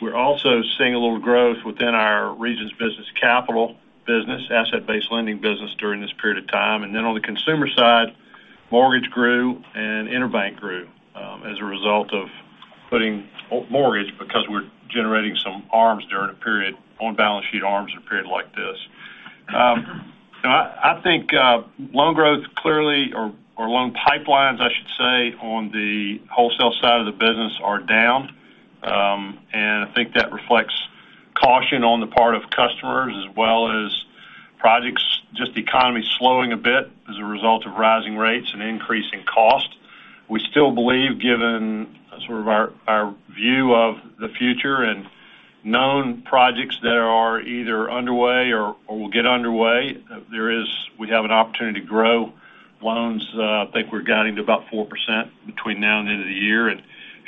S3: We're also seeing a little growth within our Regions Business Capital business, asset-based lending business during this period of time. On the consumer side, mortgage grew and EnerBank grew as a result of putting mortgage because we're generating some ARMs during a period on balance sheet ARMs like this. You know, I think loan growth clearly or loan pipelines, I should say, on the wholesale side of the business are down. I think that reflects caution on the part of customers as well as projects, just the economy slowing a bit as a result of rising rates and increasing costs. We still believe given sort of our view of the future and known projects that are either underway or will get underway, we have an opportunity to grow loans. I think we're guiding to about 4% between now and the end of the year,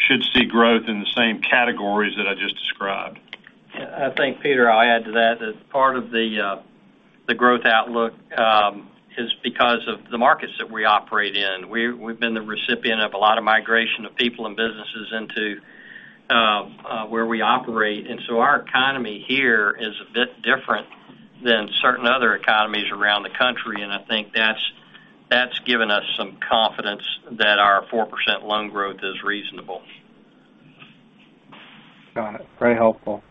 S3: should see growth in the same categories that I just described.
S4: I think, Peter, I'll add to that part of the growth outlook is because of the markets that we operate in. We've been the recipient of a lot of migration of people and businesses into where we operate. Our economy here is a bit different than certain other economies around the country. I think that's given us some confidence that our 4% loan growth is reasonable.
S10: Got it. Very helpful.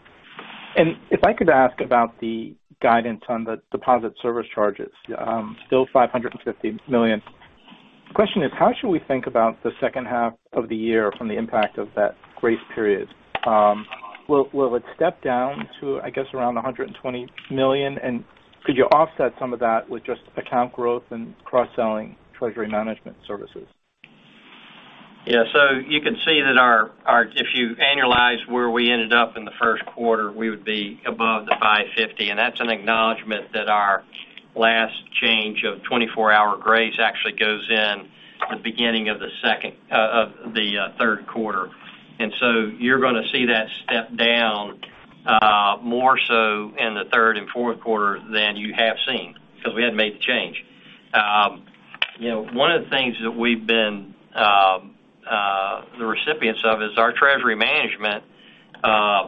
S10: If I could ask about the guidance on the deposit service charges, still $550 million. The question is, how should we think about the second half of the year from the impact of that grace period? Will it step down to, I guess, around $120 million? Could you offset some of that with just account growth and cross-selling treasury management services?
S4: You can see that If you annualize where we ended up in the first quarter, we would be above the $550 million, and that's an acknowledgement that our last change of 24-hour grace actually goes in the beginning of the third quarter. You're gonna see that step down more so in the third and fourth quarter than you have seen because we hadn't made the change. You know, one of the things that we've been the recipients of is our treasury management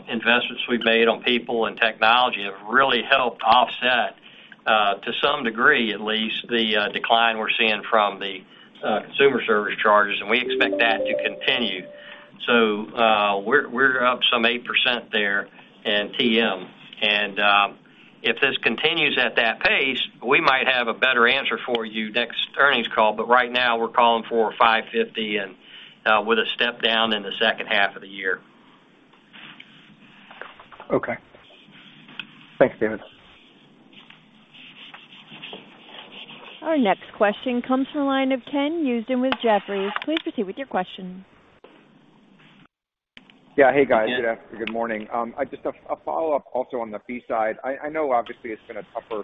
S4: investments we've made on people and technology have really helped offset to some degree at least, the decline we're seeing from the consumer service charges, and we expect that to continue. We're up some 8% there in TM. If this continues at that pace, we might have a better answer for you next earnings call, but right now we're calling for $550 million and with a step down in the second half of the year.
S10: Okay. Thanks, David.
S1: Our next question comes from the line of Ken Usdin with Jefferies. Please proceed with your question.
S11: Yeah. Hey, guys.
S4: Ken.
S11: Good morning. Just a follow-up also on the fee side. I know obviously it's been a tougher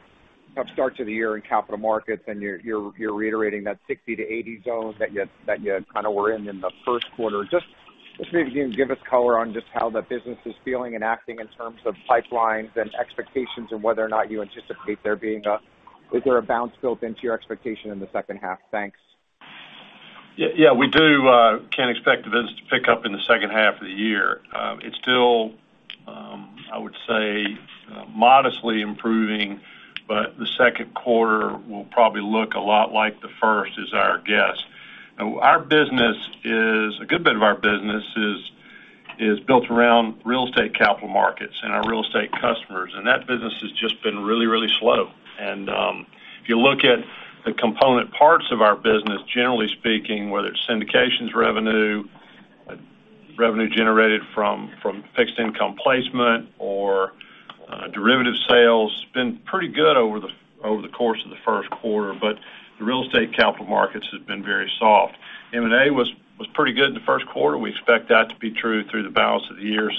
S11: start to the year in capital markets, and you're reiterating that 60-80 zone that you kind of were in in the first quarter. Just maybe you can give us color on just how the business is feeling and acting in terms of pipelines and expectations, and whether or not you anticipate there being is there a bounce built into your expectation in the second half? Thanks.
S3: Yeah, yeah, we do, can expect the business to pick up in the second half of the year. It's still, I would say, modestly improving, but the second quarter will probably look a lot like the first is our guess. Our business is a good bit of our business is built around real estate capital markets and our real estate customers, and that business has just been really, really slow. If you look at the component parts of our business, generally speaking, whether it's syndications revenue generated from fixed income placement or derivative sales, been pretty good over the course of the first quarter, but the real estate capital markets have been very soft. M&A was pretty good in the first quarter. We expect that to be true through the balance of the year.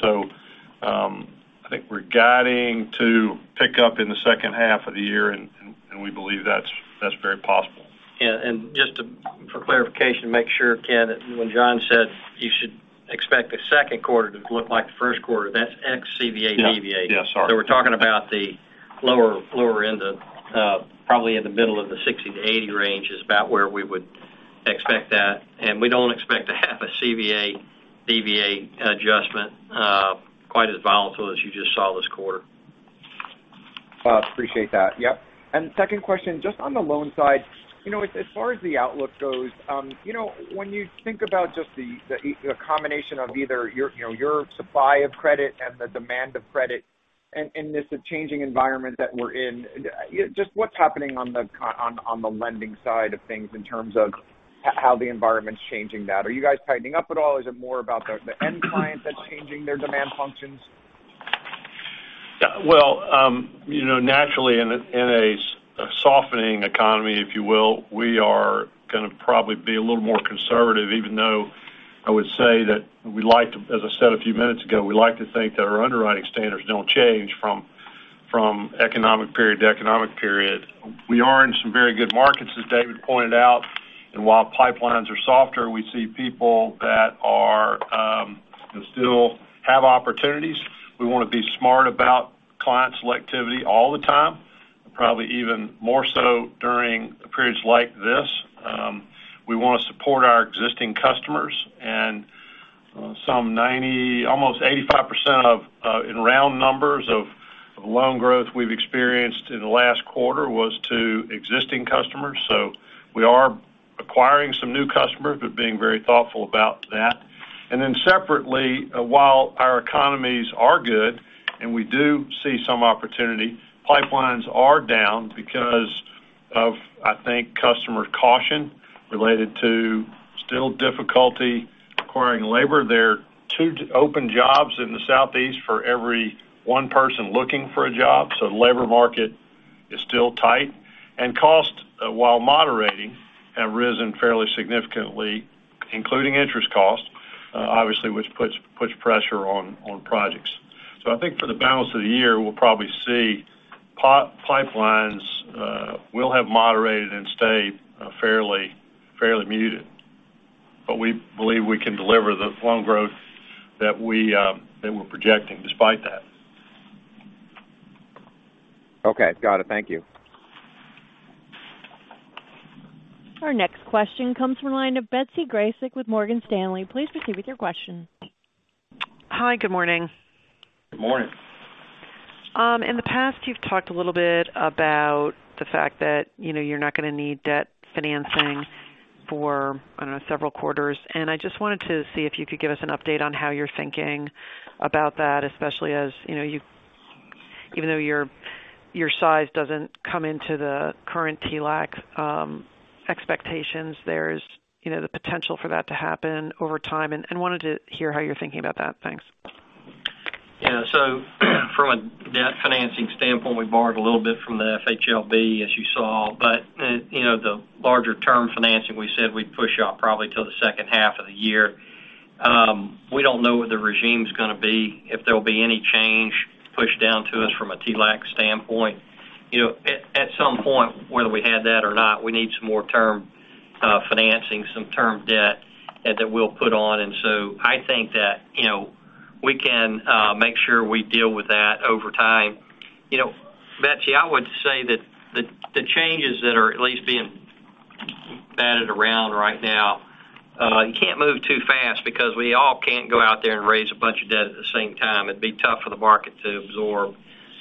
S3: I think we're guiding to pick up in the second half of the year, and we believe that's very possible.
S4: Yeah. Just to, for clarification, to make sure, Ken, when John said you should expect the second quarter to look like the first quarter, that's ex CVA, DVA.
S3: Yeah. Yeah, sorry.
S4: We're talking about the lower end of, probably in the middle of the 60-80 range is about where we would expect that. We don't expect to have a CVA, DVA adjustment, quite as volatile as you just saw this quarter.
S11: Appreciate that. Yep. Second question, just on the loan side, you know, as far as the outlook goes, you know, when you think about just the, the combination of either your, you know, your supply of credit and the demand of credit and this changing environment that we're in, just what's happening on the lending side of things in terms of how the environment's changing that? Are you guys tightening up at all? Is it more about the end client that's changing their demand functions?
S3: Well, you know, naturally in a, in a softening economy, if you will, we are gonna probably be a little more conservative, even though I would say that as I said a few minutes ago, we like to think that our underwriting standards don't change from economic period to economic period. We are in some very good markets, as David pointed out, and while pipelines are softer, we see people that are still have opportunities. We wanna be smart about client selectivity all the time, probably even more so during periods like this. We wanna support our existing customers and almost 85% in round numbers of loan growth we've experienced in the last quarter was to existing customers. We are acquiring some new customers, but being very thoughtful about that. separately, while our economies are good and we do see some opportunity, pipelines are down because of, I think, customer caution related to still difficulty acquiring labor. There are two open jobs in the Southeast for every one person looking for a job, so the labor market It's still tight. Cost, while moderating, have risen fairly significantly, including interest costs, obviously, which puts pressure on projects. I think for the balance of the year, we'll probably see pipelines will have moderated and stayed fairly muted. We believe we can deliver the loan growth that we that we're projecting despite that.
S11: Okay. Got it. Thank you.
S1: Our next question comes from line of Betsy Graseck with Morgan Stanley. Please proceed with your question.
S12: Hi. Good morning.
S4: Good morning.
S12: In the past, you've talked a little bit about the fact that, you know, you're not gonna need debt financing for, I don't know, several quarters. I just wanted to see if you could give us an update on how you're thinking about that, especially as, you know, even though your size doesn't come into the current TLAC expectations, there's, you know, the potential for that to happen over time, and wanted to hear how you're thinking about that. Thanks.
S4: Yeah. From a debt financing standpoint, we borrowed a little bit from the FHLB, as you saw. You know, the larger term financing we said we'd push off probably till the second half of the year. We don't know what the regime's gonna be, if there'll be any change pushed down to us from a TLAC standpoint. You know, at some point, whether we had that or not, we need some more term financing, some term debt that we'll put on. I think that, you know, we can make sure we deal with that over time. You know, Betsy, I would say that the changes that are at least being batted around right now, you can't move too fast because we all can't go out there and raise a bunch of debt at the same time. It'd be tough for the market to absorb.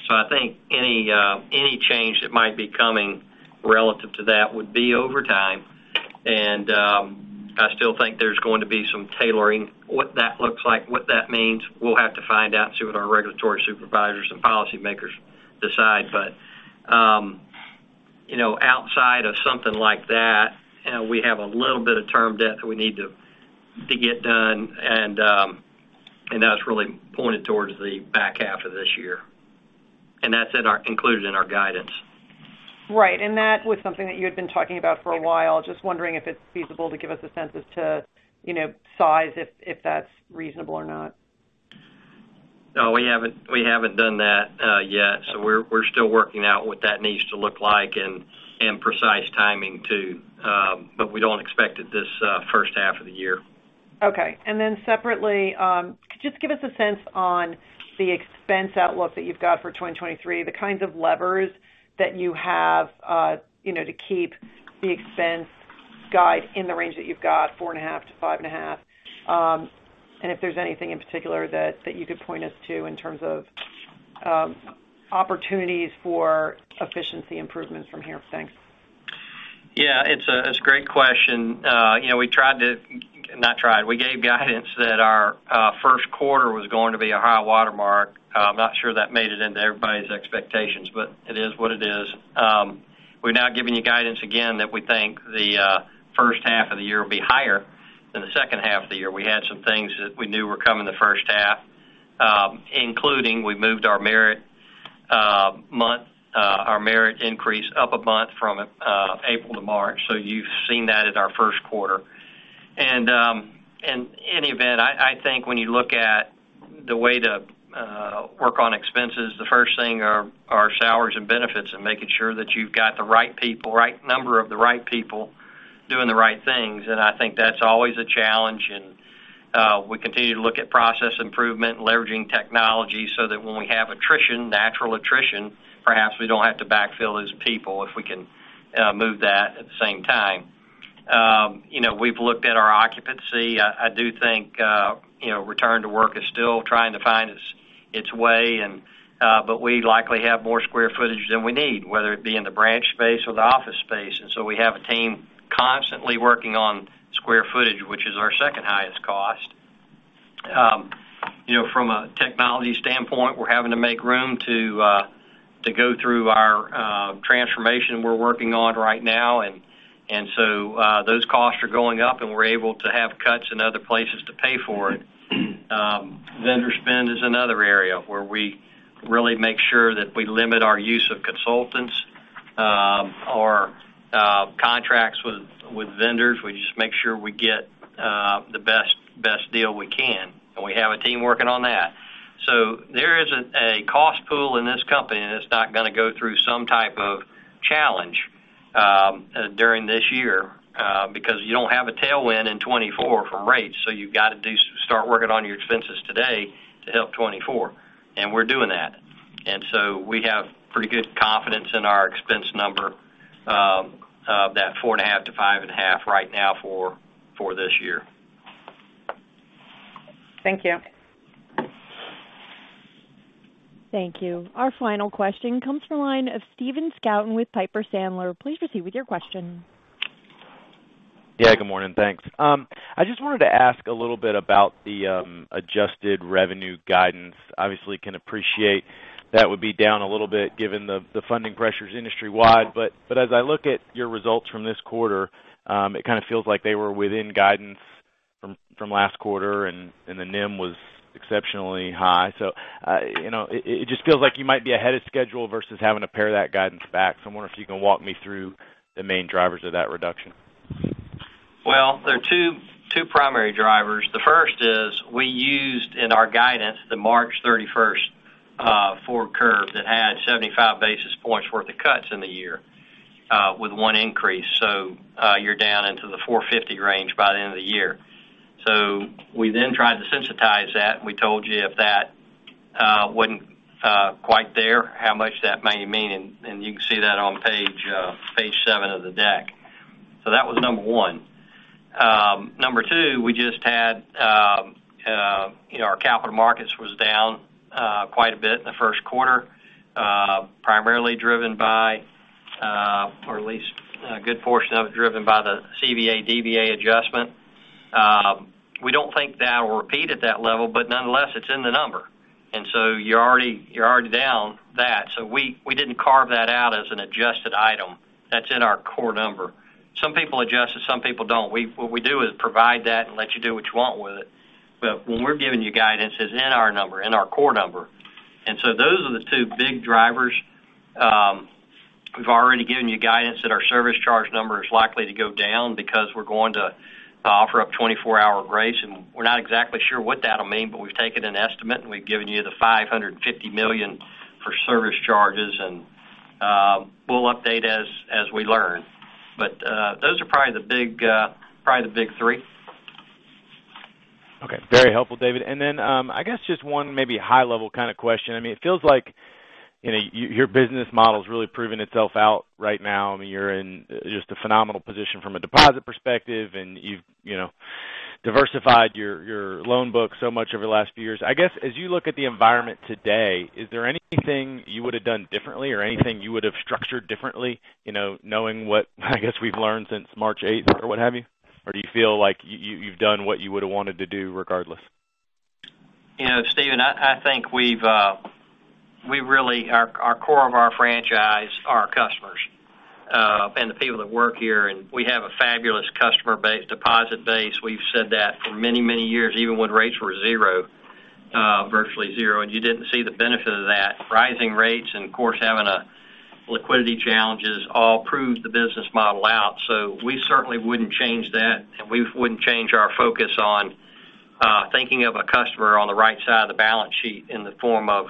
S4: I think any change that might be coming relative to that would be over time. I still think there's going to be some tailoring. What that looks like, what that means, we'll have to find out, see what our regulatory supervisors and policymakers decide. You know, outside of something like that, you know, we have a little bit of term debt that we need to get done, and that's really pointed towards the back half of this year. That's included in our guidance.
S12: Right. That was something that you had been talking about for a while. Just wondering if it's feasible to give us a sense as to, you know, size if that's reasonable or not?
S4: No, we haven't done that yet. We're still working out what that needs to look like and precise timing too. We don't expect it this first half of the year.
S12: Okay. Separately, could you just give us a sense on the expense outlook that you've got for 2023, the kinds of levers that you have, you know, to keep the expense guide in the range that you've got, 4.5%-5.5%? If there's anything in particular that you could point us to in terms of opportunities for efficiency improvements from here? Thanks.
S4: Yeah, it's a great question. you know, We gave guidance that our first quarter was going to be a high water mark. I'm not sure that made it into everybody's expectations, it is what it is. We're now giving you guidance again that we think the first half of the year will be higher than the second half of the year. We had some things that we knew were coming the first half, including we moved our merit month, our merit increase up a month from April to March. You've seen that in our first quarter. In any event, I think when you look at the way to work on expenses, the first thing are salaries and benefits and making sure that you've got the right people, right number of the right people doing the right things. I think that's always a challenge. We continue to look at process improvement and leveraging technology so that when we have attrition, natural attrition, perhaps we don't have to backfill those people if we can move that at the same time. You know, we've looked at our occupancy. I do think, you know, return to work is still trying to find its way. We likely have more square footage than we need, whether it be in the branch space or the office space. We have a team constantly working on square footage, which is our second highest cost. You know, from a technology standpoint, we're having to make room to go through our transformation we're working on right now. Those costs are going up, and we're able to have cuts in other places to pay for it. Vendor spend is another area where we really make sure that we limit our use of consultants, or contracts with vendors. We just make sure we get the best deal we can, and we have a team working on that. There isn't a cost pool in this company, and it's not gonna go through some type of challenge during this year, because you don't have a tailwind in 2024 from rates. You've got to start working on your expenses today to help 2024, and we're doing that. We have pretty good confidence in our expense number, of that 4.5%-5.5% right now for this year.
S12: Thank you.
S1: Thank you. Our final question comes from the line of Stephen Scouten with Piper Sandler. Please proceed with your question.
S13: Yeah, good morning. Thanks. I just wanted to ask a little bit about the adjusted revenue guidance. Obviously, can appreciate that would be down a little bit given the funding pressures industry-wide. As I look at your results from this quarter, it kind of feels like they were within guidance. From last quarter, and the NIM was exceptionally high. I, you know, it just feels like you might be ahead of schedule versus having to pare that guidance back. I wonder if you can walk me through the main drivers of that reduction?
S4: Well, there are two primary drivers. The first is we used in our guidance the March 31st forward curve that had 75 basis points worth of cuts in the year, with one increase. You're down into the $450 million range by the end of the year. We then tried to sensitize that, and we told you if that wasn't quite there, how much that may mean, and you can see that on page seven of the deck. That was number one. Number two, we just had, you know, our capital markets was down quite a bit in the 1st quarter, primarily driven by or at least a good portion of it, driven by the CVA DVA adjustment. We don't think that will repeat at that level, nonetheless, it's in the number. You're already down that. We didn't carve that out as an adjusted item. That's in our core number. Some people adjust it, some people don't. What we do is provide that and let you do what you want with it. When we're giving you guidance, it's in our number, in our core number. Those are the two big drivers. We've already given you guidance that our service charge number is likely to go down because we're going to offer up 24-hour grace. We're not exactly sure what that'll mean, but we've taken an estimate, and we've given you the $550 million for service charges, and we'll update as we learn. Those are probably the big three.
S13: Okay. Very helpful, David. I guess just one maybe high level kind of question. I mean, it feels like, you know, your business model is really proven itself out right now. I mean, you're in just a phenomenal position from a deposit perspective, and you've, you know, diversified your loan book so much over the last few years. I guess, as you look at the environment today, is there anything you would have done differently or anything you would have structured differently, you know, knowing what, I guess, we've learned since March 8 or what have you? Or do you feel like you've done what you would have wanted to do regardless?
S4: You know, Stephen, I think we've our core of our franchise are our customers, and the people that work here, and we have a fabulous deposit base. We've said that for many, many years, even when rates were zero, virtually zero, and you didn't see the benefit of that. Rising rates of course, having a liquidity challenges all proves the business model out. We certainly wouldn't change that, and we wouldn't change our focus on thinking of a customer on the right side of the balance sheet in the form of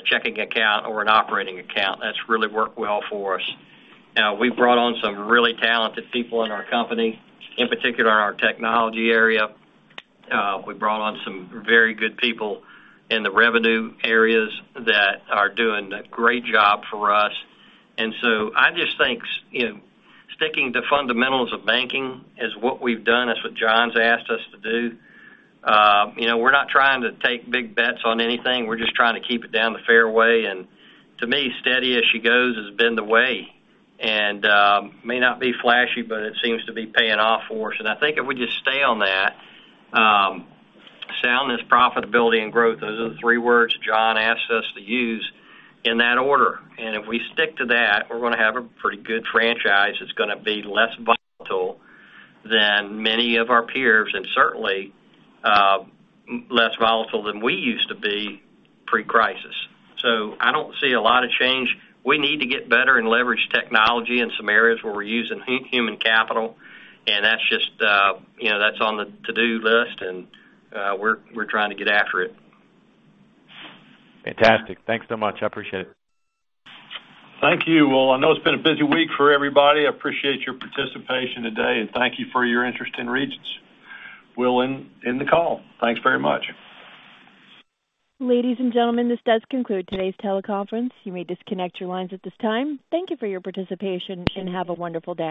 S4: a checking account or an operating account. That's really worked well for us. We've brought on some really talented people in our company, in particular our technology area. We brought on some very good people in the revenue areas that are doing a great job for us. I just think, you know, sticking to fundamentals of banking is what we've done, is what John's asked us to do. You know, we're not trying to take big bets on anything. We're just trying to keep it down the fairway. To me, steady as she goes has been the way. May not be flashy, but it seems to be paying off for us. I think if we just stay on that, soundness, profitability and growth, those are the three words John asked us to use in that order. If we stick to that, we're gonna have a pretty good franchise that's gonna be less volatile than many of our peers and certainly, less volatile than we used to be pre-crisis. I don't see a lot of change. We need to get better and leverage technology in some areas where we're using human capital, and that's just, you know, that's on the to-do list, and we're trying to get after it.
S13: Fantastic. Thanks so much. I appreciate it.
S3: Thank you. Well, I know it's been a busy week for everybody. I appreciate your participation today, and thank you for your interest in Regions. We'll end the call. Thanks very much.
S1: Ladies and gentlemen, this does conclude today's teleconference. You may disconnect your lines at this time. Thank you for your participation, and have a wonderful day.